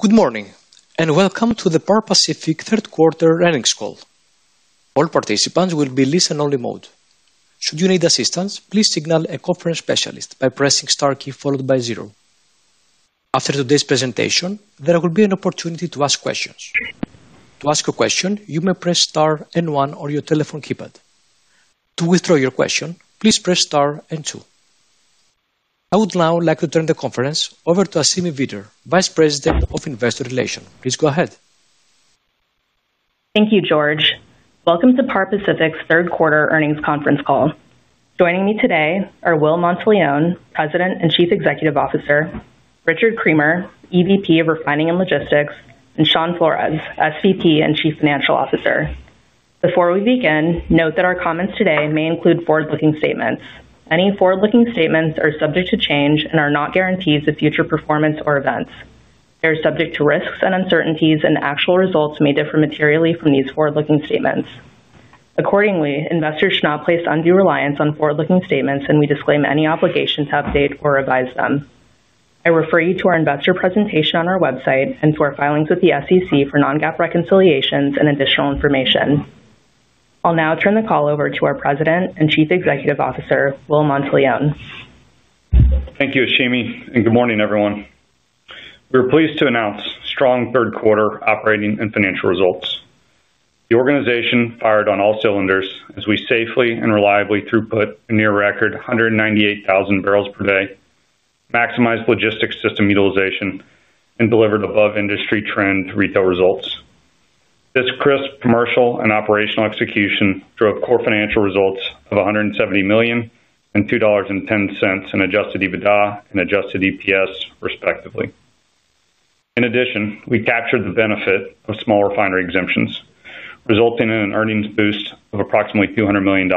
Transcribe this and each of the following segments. Good morning, and welcome to the Par Pacific third quarter earnings call. All participants will be in listen-only mode. Should you need assistance, please signal a conference specialist by pressing the star key followed by zero. After today's presentation, there will be an opportunity to ask questions. To ask a question, you may press star and one on your telephone keypad. To withdraw your question, please press star and two. I would now like to turn the conference over to Assimi Patel, Vice President of Investor Relations. Please go ahead. Thank you, George. Welcome to Par Pacific's Third Quarter Earnings Conference Call. Joining me today are Will Monteleone, President and Chief Executive Officer; Richard Creamer, EVP of Refining and Logistics; and Shawn Flores, SVP and Chief Financial Officer. Before we begin, note that our comments today may include forward-looking statements. Any forward-looking statements are subject to change and are not guarantees of future performance or events. They are subject to risks and uncertainties, and actual results may differ materially from these forward-looking statements. Accordingly, investors should not place undue reliance on forward-looking statements, and we disclaim any obligations to update or revise them. I refer you to our investor presentation on our website and to our filings with the SEC for non-GAAP reconciliations and additional information. I'll now turn the call over to our President and Chief Executive Officer, Will Monteleone. Thank you, Assimi, and good morning, everyone. We're pleased to announce strong third quarter operating and financial results. The organization fired on all cylinders as we safely and reliably throughput a near record 198,000 barrels per day, maximized logistics system utilization, and delivered above-industry trend retail results. This crisp commercial and operational execution drove core financial results of $170 million and $2.10 in Adjusted EBITDA and adjusted EPS, respectively. In addition, we captured the benefit of small refinery exemptions, resulting in an earnings boost of approximately $200 million.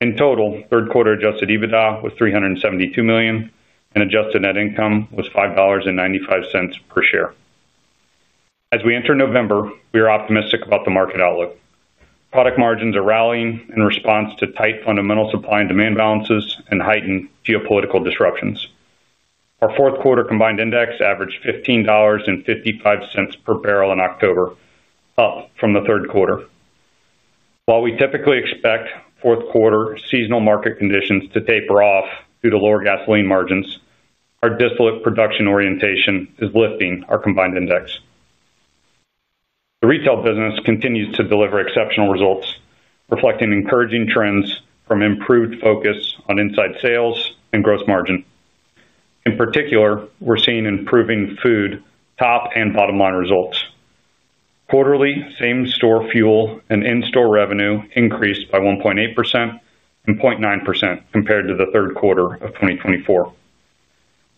In total, third quarter Adjusted EBITDA was $372 million, and adjusted net income was $5.95 per share. As we enter November, we are optimistic about the market outlook. Product margins are rallying in response to tight fundamental supply and demand balances and heightened geopolitical disruptions. Our fourth quarter combined index averaged $15.55 per barrel in October, up from the third quarter. While we typically expect fourth quarter seasonal market conditions to taper off due to lower gasoline margins, our disparate production orientation is lifting our combined index. The retail business continues to deliver exceptional results, reflecting encouraging trends from improved focus on inside sales and gross margin. In particular, we're seeing improving food top and bottom line results. Quarterly, same store fuel and in-store revenue increased by 1.8% and 0.9% compared to the third quarter of 2024.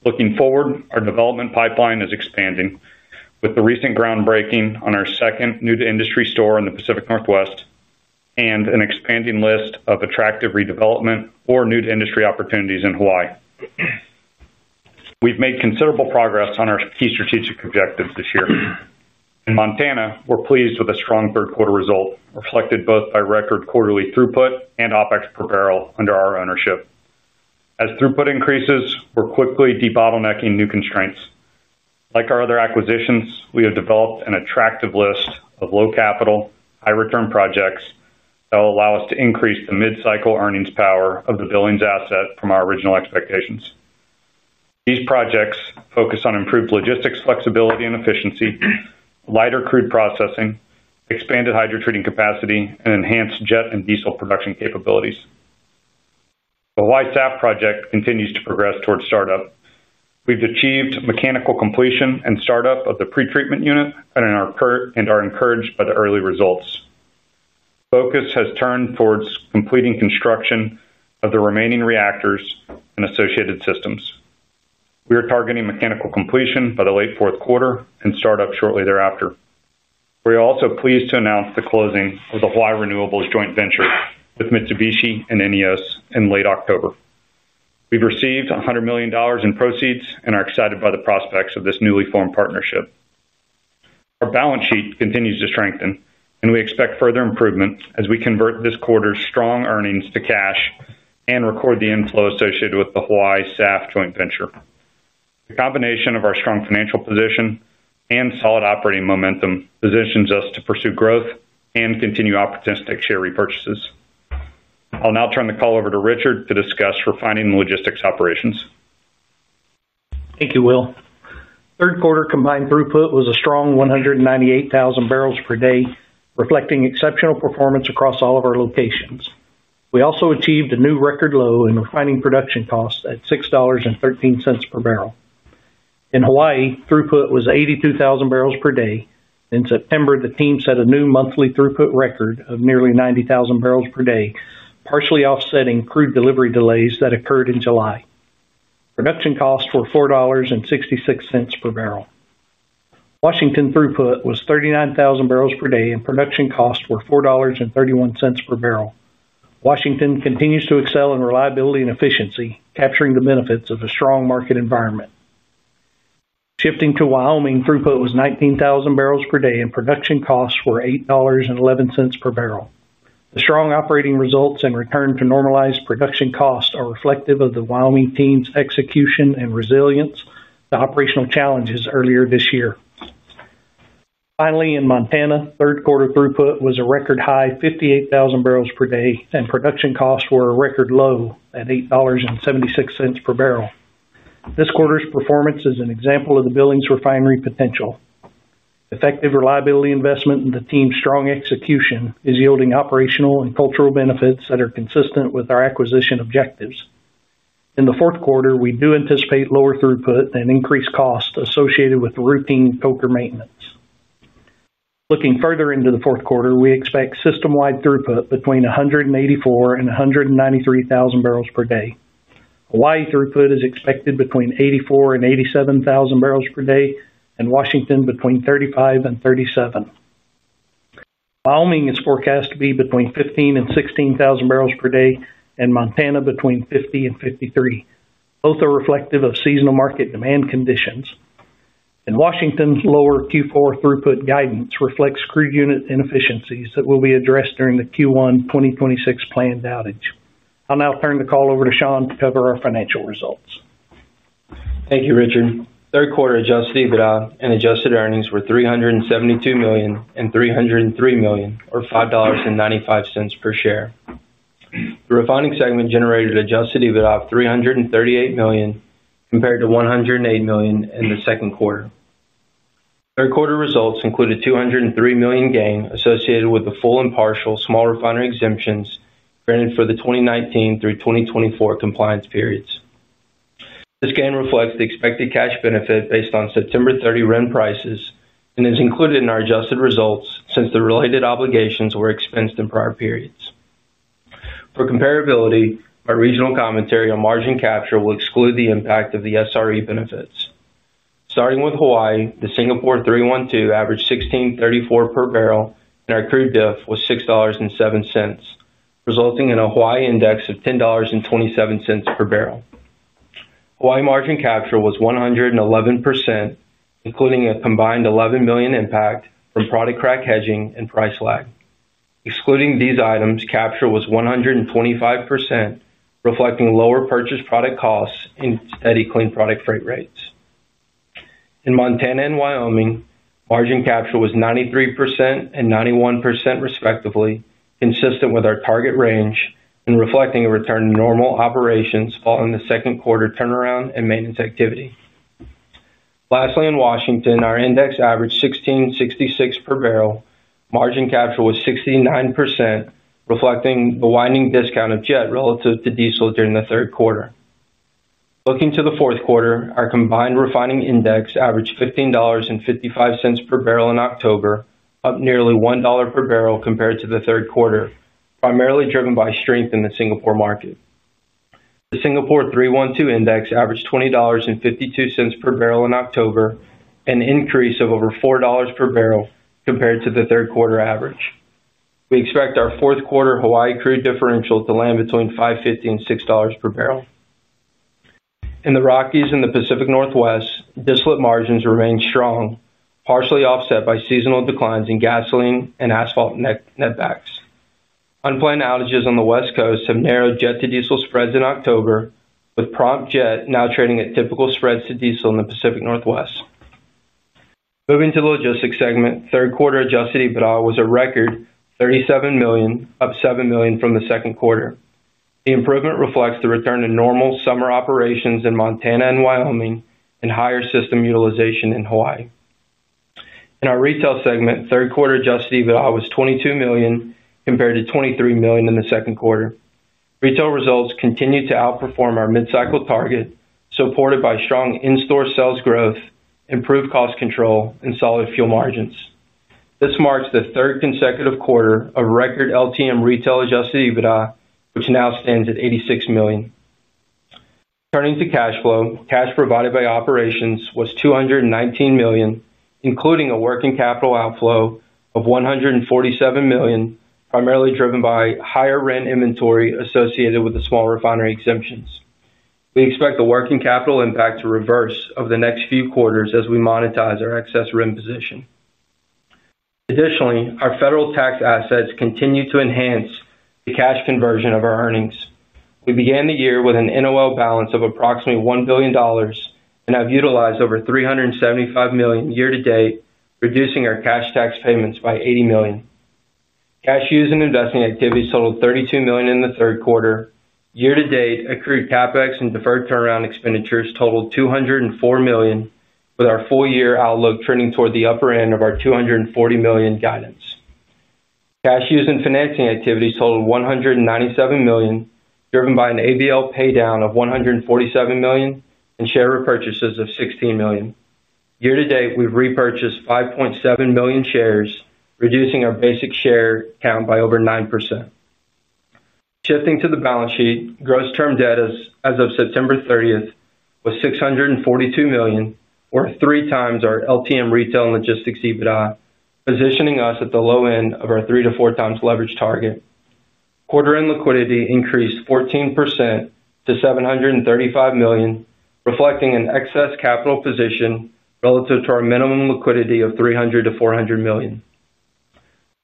Looking forward, our development pipeline is expanding with the recent groundbreaking on our second new-to-industry store in the Pacific Northwest and an expanding list of attractive redevelopment or new-to-industry opportunities in Hawaii. We've made considerable progress on our key strategic objectives this year. In Montana, we're pleased with a strong third quarter result reflected both by record quarterly throughput and OpEx per barrel under our ownership. As throughput increases, we're quickly debottlenecking new constraints. Like our other acquisitions, we have developed an attractive list of low-capital, high-return projects that will allow us to increase the mid-cycle earnings power of the Billings asset from our original expectations. These projects focus on improved logistics flexibility and efficiency, lighter crude processing, expanded hydrotreating capacity, and enhanced jet and diesel production capabilities. The Hawaii SAF project continues to progress towards startup. We've achieved mechanical completion and startup of the pretreatment unit and are encouraged by the early results. Focus has turned towards completing construction of the remaining reactors and associated systems. We are targeting mechanical completion by the late fourth quarter and startup shortly thereafter. We are also pleased to announce the closing of the Hawaii Renewables joint venture with Mitsubishi and Neste in late October. We've received $100 million in proceeds and are excited by the prospects of this newly formed partnership. Our balance sheet continues to strengthen, and we expect further improvement as we convert this quarter's strong earnings to cash and record the inflow associated with the Hawaii SAF joint venture. The combination of our strong financial position and solid operating momentum positions us to pursue growth and continue opportunistic share repurchases. I'll now turn the call over to Richard to discuss refining and logistics operations. Thank you, Will. Third quarter combined throughput was a strong 198,000 barrels per day, reflecting exceptional performance across all of our locations. We also achieved a new record low in refining production costs at $6.13 per barrel. In Hawaii, throughput was 82,000 barrels per day. In September, the team set a new monthly throughput record of nearly 90,000 barrels per day, partially offsetting crude delivery delays that occurred in July. Production costs were $4.66 per barrel. Washington throughput was 39,000 barrels per day, and production costs were $4.31 per barrel. Washington continues to excel in reliability and efficiency, capturing the benefits of a strong market environment. Shifting to Wyoming, throughput was 19,000 barrels per day, and production costs were $8.11 per barrel. The strong operating results and return to normalized production costs are reflective of the Wyoming team's execution and resilience to operational challenges earlier this year. Finally, in Montana, third quarter throughput was a record high, 58,000 barrels per day, and production costs were a record low at $8.76 per barrel. This quarter's performance is an example of the Billings refinery potential. Effective reliability investment and the team's strong execution is yielding operational and cultural benefits that are consistent with our acquisition objectives. In the fourth quarter, we do anticipate lower throughput and increased costs associated with routine coker maintenance. Looking further into the fourth quarter, we expect system-wide throughput between 184,000 and 193,000 barrels per day. Hawaii throughput is expected between 84,000 and 87,000 barrels per day, and Washington between 35,000 and 37,000. Wyoming is forecast to be between 15,000 and 16,000 barrels per day, and Montana between 50,000 and 53,000. Both are reflective of seasonal market demand conditions. In Washington, lower Q4 throughput guidance reflects crude unit inefficiencies that will be addressed during the Q1 2026 planned outage. I'll now turn the call over to Shawn to cover our financial results. Thank you, Richard. Third quarter Adjusted EBITDA and adjusted earnings were $372 million and $303 million, or $5.95 per share. The refining segment generated Adjusted EBITDA of $338 million compared to $108 million in the second quarter. Third quarter results included a $203 million gain associated with the full and partial small refinery exemptions granted for the 2019 through 2024 compliance periods. This gain reflects the expected cash benefit based on September 30 rent prices and is included in our adjusted results since the related obligations were expensed in prior periods. For comparability, our regional commentary on margin capture will exclude the impact of the SRE benefits. Starting with Hawaii, the Singapore 312 averaged $16.34 per barrel, and our crude diff was $6.07, resulting in a Hawaii index of $10.27 per barrel. Hawaii margin capture was 111%, including a combined $11 million impact from product crack hedging and price lag. Excluding these items, capture was 125%, reflecting lower purchase product costs and steady clean product freight rates. In Montana and Wyoming, margin capture was 93% and 91%, respectively, consistent with our target range and reflecting a return to normal operations following the second quarter turnaround and maintenance activity. Lastly, in Washington, our index averaged $16.66 per barrel. Margin capture was 69%, reflecting the widening discount of jet relative to diesel during the third quarter. Looking to the fourth quarter, our combined refining index averaged $15.55 per barrel in October, up nearly $1 per barrel compared to the third quarter, primarily driven by strength in the Singapore market. The Singapore 312 index averaged $20.52 per barrel in October, an increase of over $4 per barrel compared to the third quarter average. We expect our fourth quarter Hawaii crude differential to land between $5.50 and $6 per barrel. In the Rockies and the Pacific Northwest, disparate margins remain strong, partially offset by seasonal declines in gasoline and asphalt netbacks. Unplanned outages on the West Coast have narrowed jet to diesel spreads in October, with prompt jet now trading at typical spreads to diesel in the Pacific Northwest. Moving to the logistics segment, third quarter Adjusted EBITDA was a record $37 million, up $7 million from the second quarter. The improvement reflects the return to normal summer operations in Montana and Wyoming and higher system utilization in Hawaii. In our retail segment, third quarter Adjusted EBITDA was $22 million compared to $23 million in the second quarter. Retail results continue to outperform our mid-cycle target, supported by strong in-store sales growth, improved cost control, and solid fuel margins. This marks the third consecutive quarter of record LTM retail Adjusted EBITDA, which now stands at $86 million. Turning to cash flow, cash provided by operations was $219 million, including a working capital outflow of $147 million, primarily driven by higher RIN inventory associated with the small refinery exemptions. We expect the working capital impact to reverse over the next few quarters as we monetize our excess RIN position. Additionally, our federal tax assets continue to enhance the cash conversion of our earnings. We began the year with an NOL balance of approximately $1 billion and have utilized over $375 million year to date, reducing our cash tax payments by $80 million. Cash use in investing activities totaled $32 million in the third quarter. Year to date, accrued CapEx and deferred turnaround expenditures totaled $204 million, with our full year outlook trending toward the upper end of our $240 million guidance. Cash use and financing activities totaled $197 million, driven by an ABL paydown of $147 million and share repurchases of $16 million. Year to date, we've repurchased 5.7 million shares, reducing our basic share count by over 9%. Shifting to the balance sheet, gross term debt as of September 30 was $642 million, or three times our LTM retail and logistics EBITDA, positioning us at the low end of our three to four times leverage target. Quarter-end liquidity increased 14% to $735 million, reflecting an excess capital position relative to our minimum liquidity of $300 million-$400 million.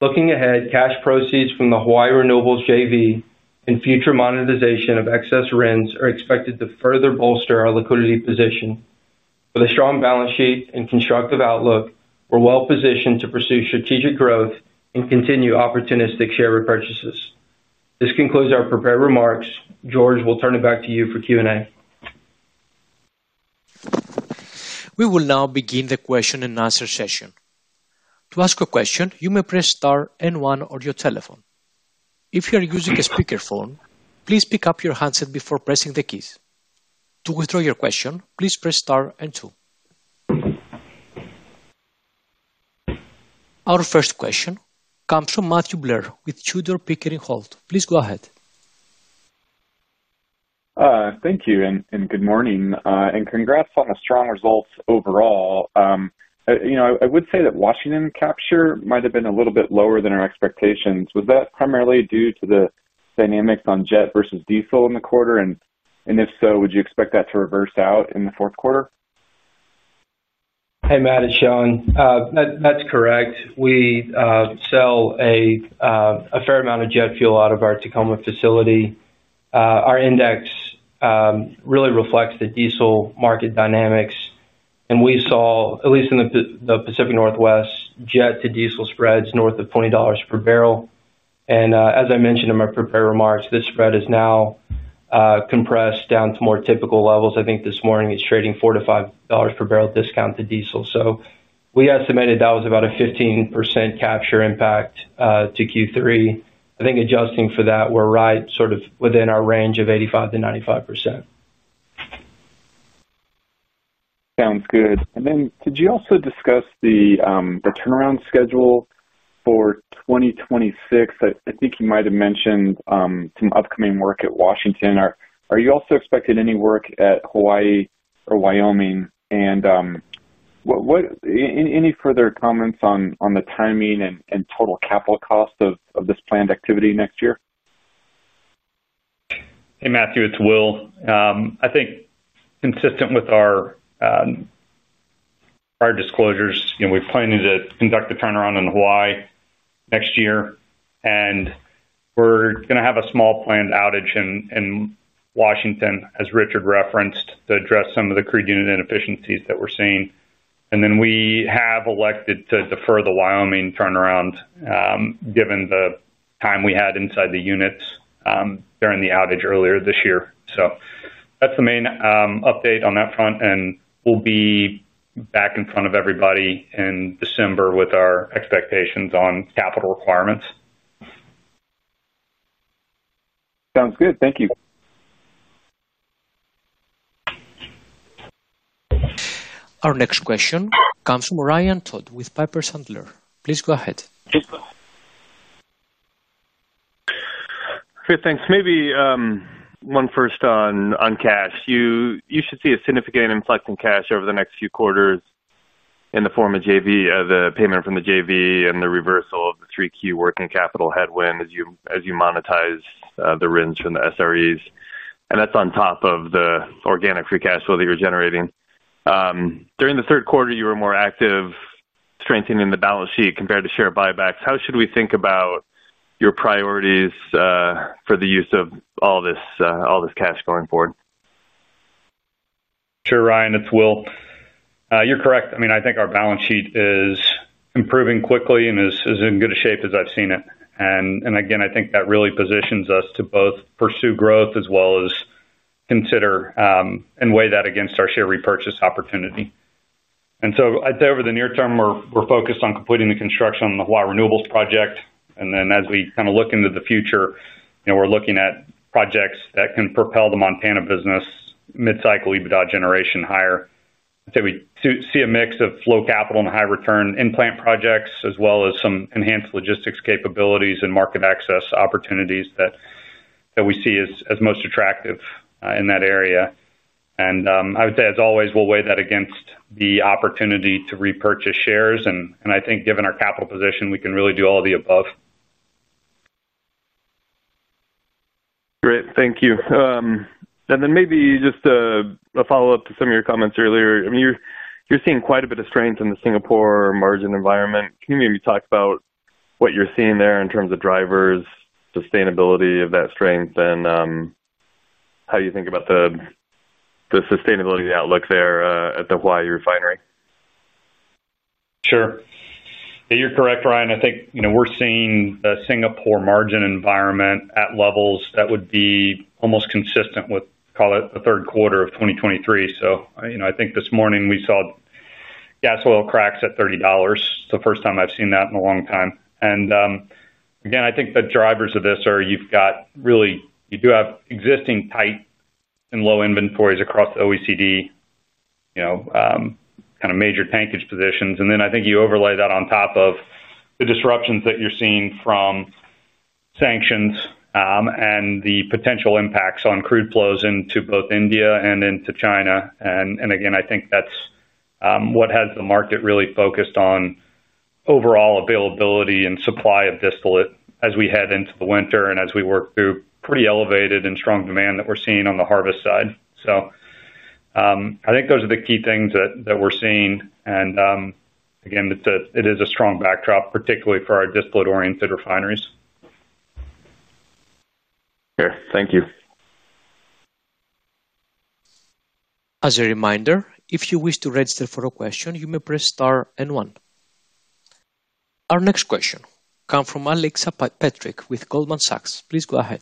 Looking ahead, cash proceeds from the Hawaii Renewables JV and future monetization of excess RINs are expected to further bolster our liquidity position. With a strong balance sheet and constructive outlook, we're well positioned to pursue strategic growth and continue opportunistic share repurchases. This concludes our prepared remarks. George, we'll turn it back to you for Q&A. We will now begin the question and answer session. To ask a question, you may press star and one on your telephone. If you are using a speakerphone, please pick up your handset before pressing the keys. To withdraw your question, please press star and two. Our first question comes from Matthew Blair with Tudor, Pickering, Holt. Please go ahead. Thank you and good morning, and congrats on a strong result overall. I would say that Washington capture might have been a little bit lower than our expectations. Was that primarily due to the dynamics on jet versus diesel in the quarter? If so, would you expect that to reverse out in the fourth quarter? Hey, Matt and Shawn, that's correct. We sell a fair amount of jet fuel out of our Tacoma facility. Our index really reflects the diesel market dynamics, and we saw, at least in the Pacific Northwest, jet to diesel spreads north of $20 per barrel. As I mentioned in my prepared remarks, this spread is now compressed down to more typical levels. I think this morning it's trading $4 to $5 per barrel discount to diesel. We estimated that was about a 15% capture impact to Q3. I think adjusting for that, we're right sort of within our range of 85-95%. Sounds good. Could you also discuss the turnaround schedule for 2026? I think you might have mentioned some upcoming work at Washington. Are you also expecting any work at Hawaii or Wyoming? Any further comments on the timing and total capital cost of this planned activity next year? Hey, Matthew, it's Will. I think consistent with our prior disclosures, we've planned to conduct the turnaround in Hawaii next year. We're going to have a small planned outage in Washington, as Richard referenced, to address some of the crude unit inefficiencies that we're seeing. We have elected to defer the Wyoming turnaround given the time we had inside the units during the outage earlier this year. That's the main update on that front, and we'll be back in front of everybody in December with our expectations on capital requirements. Sounds good. Thank you. Our next question comes from Ryan Todd with Piper Sandler. Please go ahead. Good. Thanks. Maybe one first on cash. You should see a significant influx in cash over the next few quarters in the form of the payment from the JV and the reversal of the 3Q working capital headwind as you monetize the RINs from the SREs. That's on top of the organic free cash flow that you're generating. During the third quarter, you were more active strengthening the balance sheet compared to share buybacks. How should we think about your priorities for the use of all this cash going forward? Sure, Ryan. It's Will. You're correct. I mean, I think our balance sheet is improving quickly and is in as good shape as I've seen it. I think that really positions us to both pursue growth as well as consider and weigh that against our share repurchase opportunity. I'd say over the near term, we're focused on completing the construction on the Hawaii Renewables project. As we look into the future, we're looking at projects that can propel the Montana business mid-cycle EBITDA generation higher. I'd say we see a mix of low capital and high return in-plant projects, as well as some enhanced logistics capabilities and market access opportunities that we see as most attractive in that area. I would say, as always, we'll weigh that against the opportunity to repurchase shares. I think given our capital position, we can really do all of the above. Great. Thank you. Maybe just a follow-up to some of your comments earlier. I mean, you're seeing quite a bit of strength in the Singapore margin environment. Can you maybe talk about what you're seeing there in terms of drivers, sustainability of that strength, and how you think about the sustainability outlook there at the Hawaii refinery? Sure. You're correct, Ryan. I think we're seeing the Singapore margin environment at levels that would be almost consistent with, call it, the third quarter of 2023. I think this morning we saw gas oil cracks at $30. It's the first time I've seen that in a long time. I think the drivers of this are you've got really, you do have existing tight and low inventories across the OECD, kind of major tankage positions. I think you overlay that on top of the disruptions that you're seeing from sanctions and the potential impacts on crude flows into both India and into China. I think that's what has the market really focused on, overall availability and supply of distillate as we head into the winter and as we work through pretty elevated and strong demand that we're seeing on the harvest side. I think those are the key things that we're seeing. It is a strong backdrop, particularly for our distillate-oriented refineries. Okay. Thank you. As a reminder, if you wish to register for a question, you may press star and one. Our next question comes from Alexa Petrick with Goldman Sachs. Please go ahead.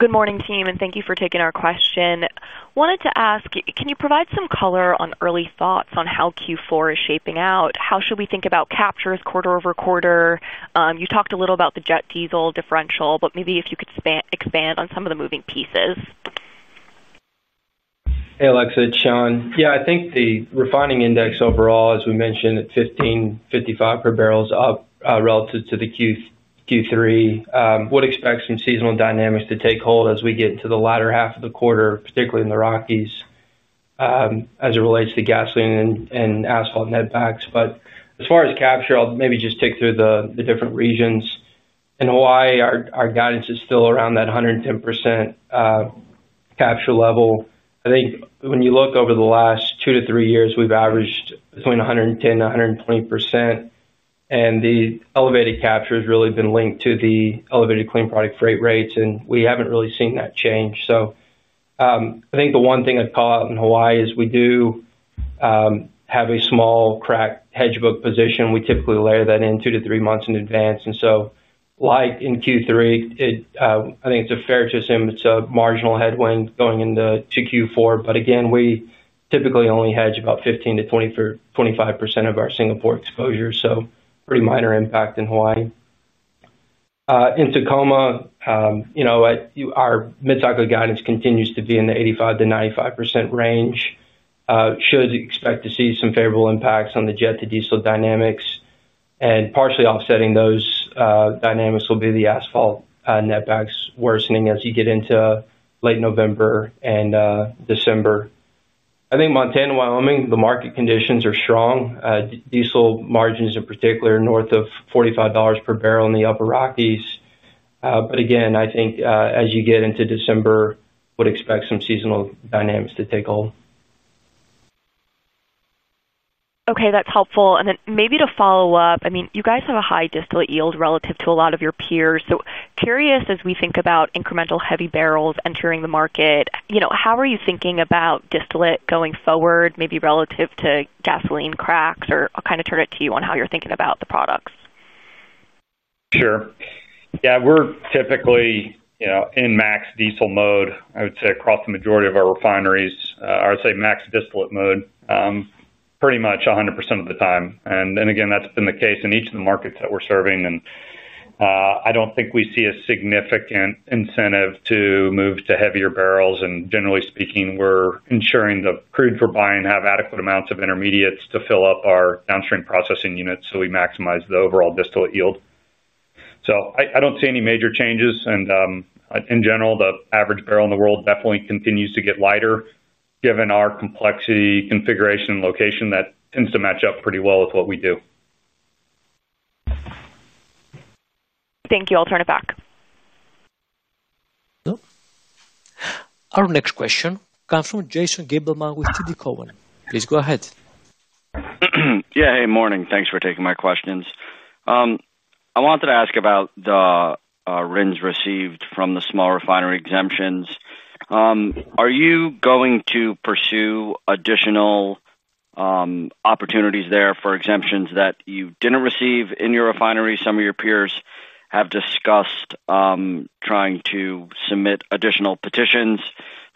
Good morning, team, and thank you for taking our question. Wanted to ask, can you provide some color on early thoughts on how Q4 is shaping out? How should we think about capture quarter over quarter? You talked a little about the jet diesel differential, but maybe if you could expand on some of the moving pieces. Hey, Alexa, Shawn. Yeah, I think the refining index overall, as we mentioned, at $15.55 per barrel is up relative to the Q3. What expects from seasonal dynamics to take hold as we get into the latter half of the quarter, particularly in the Rockies. As it relates to gasoline and asphalt netbacks. As far as capture, I'll maybe just take through the different regions. In Hawaii, our guidance is still around that 110% capture level. I think when you look over the last two to three years, we've averaged between 110-120%. The elevated capture has really been linked to the elevated clean product freight rates, and we haven't really seen that change. I think the one thing I'd call out in Hawaii is we do have a small crack hedge book position. We typically layer that in two to three months in advance. Like in Q3, I think it's fair to assume it's a marginal headwind going into Q4. Again, we typically only hedge about 15%-25% of our Singapore exposure, so pretty minor impact in Hawaii. In Tacoma, our mid-cycle guidance continues to be in the 85%-95% range. You should expect to see some favorable impacts on the jet to diesel dynamics. Partially offsetting those dynamics will be the asphalt netbacks worsening as you get into late November and December. I think Montana and Wyoming, the market conditions are strong. Diesel margins in particular are north of $45 per barrel in the Upper Rockies. Again, I think as you get into December, we'd expect some seasonal dynamics to take hold. Okay, that's helpful. Maybe to follow up, I mean, you guys have a high distillate yield relative to a lot of your peers. Curious, as we think about incremental heavy barrels entering the market, how are you thinking about distillate going forward, maybe relative to gasoline cracks? Or I'll kind of turn it to you on how you're thinking about the products. Sure. Yeah, we are typically in max diesel mode, I would say, across the majority of our refineries. I would say max distillate mode pretty much 100% of the time. That has been the case in each of the markets that we are serving. I do not think we see a significant incentive to move to heavier barrels. Generally speaking, we are ensuring the crude we are buying has adequate amounts of intermediates to fill up our downstream processing units so we maximize the overall distillate yield. I do not see any major changes. In general, the average barrel in the world definitely continues to get lighter, given our complexity, configuration, and location. That tends to match up pretty well with what we do. Thank you. I'll turn it back. Our next question comes from Jason Gabelman with TD Cowen. Please go ahead. Yeah, hey, morning. Thanks for taking my questions. I wanted to ask about the RINs received from the small refinery exemptions. Are you going to pursue additional opportunities there for exemptions that you did not receive in your refineries? Some of your peers have discussed trying to submit additional petitions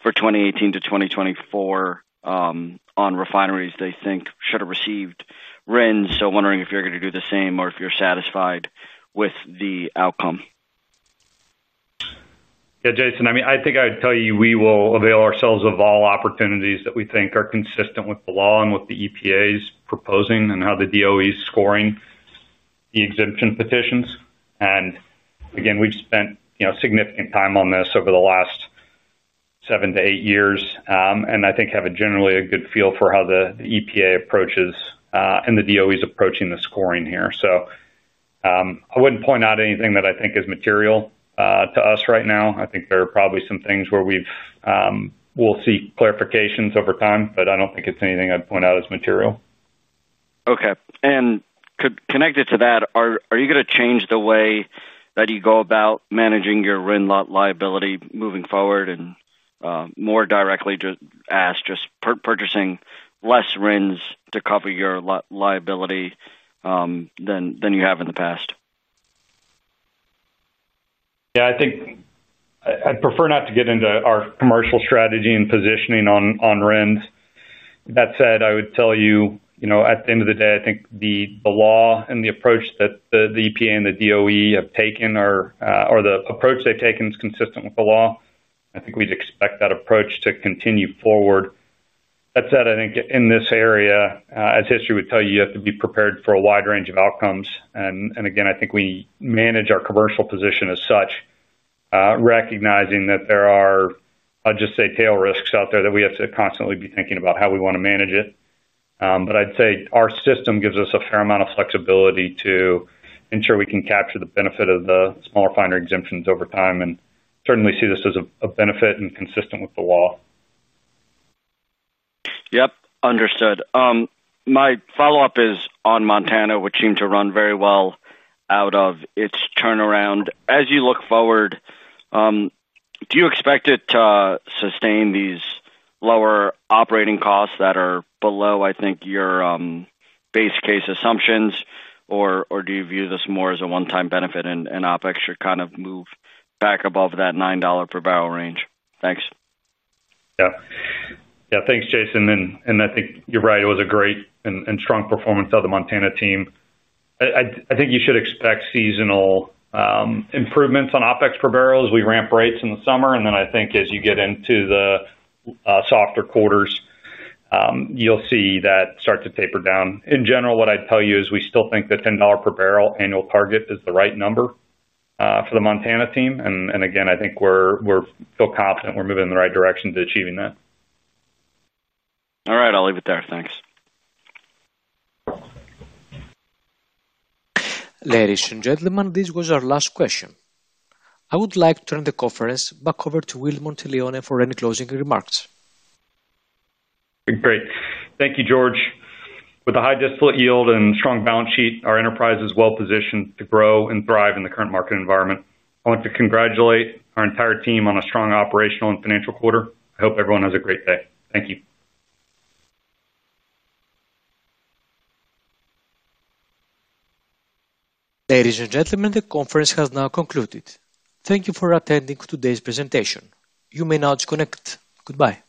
for 2018 to 2024 on refineries they think should have received RINs. So wondering if you are going to do the same or if you are satisfied with the outcome. Yeah, Jason, I mean, I think I would tell you we will avail ourselves of all opportunities that we think are consistent with the law and what the EPA is proposing and how the DOE is scoring the exemption petitions. Again, we have spent significant time on this over the last. Seven to eight years, and I think have generally a good feel for how the EPA approaches and the DOE is approaching the scoring here. I wouldn't point out anything that I think is material to us right now. I think there are probably some things where we'll see clarifications over time, but I don't think it's anything I'd point out as material. Okay. Connected to that, are you going to change the way that you go about managing your RIN lot liability moving forward and more directly ask just purchasing less RINs to cover your lot liability than you have in the past? Yeah, I think. I'd prefer not to get into our commercial strategy and positioning on RINs. That said, I would tell you at the end of the day, I think the law and the approach that the EPA and the DOE have taken or the approach they've taken is consistent with the law. I think we'd expect that approach to continue forward. That said, I think in this area, as history would tell you, you have to be prepared for a wide range of outcomes. Again, I think we manage our commercial position as such, recognizing that there are, I'll just say, tail risks out there that we have to constantly be thinking about how we want to manage it. I'd say our system gives us a fair amount of flexibility to. Ensure we can capture the benefit of the small refinery exemptions over time and certainly see this as a benefit and consistent with the law. Yep. Understood. My follow-up is on Montana, which seemed to run very well out of its turnaround. As you look forward, do you expect it to sustain these lower operating costs that are below, I think, your base case assumptions, or do you view this more as a one-time benefit and OpEx should kind of move back above that $9 per barrel range? Thanks. Yeah. Yeah, thanks, Jason. I think you're right. It was a great and strong performance of the Montana team. I think you should expect seasonal improvements on OpEx per barrel as we ramp rates in the summer. I think as you get into the softer quarters, you'll see that start to taper down. In general, what I'd tell you is we still think the $10 per barrel annual target is the right number for the Montana team. I think we're still confident we're moving in the right direction to achieving that. All right. I'll leave it there. Thanks. Ladies and gentlemen, this was our last question. I would like to turn the conference back over to Will Monteleone for any closing remarks. Great. Thank you, George. With a high distillate yield and strong balance sheet, our enterprise is well positioned to grow and thrive in the current market environment. I want to congratulate our entire team on a strong operational and financial quarter. I hope everyone has a great day. Thank you. Ladies and gentlemen, the conference has now concluded. Thank you for attending today's presentation. You may now disconnect. Goodbye.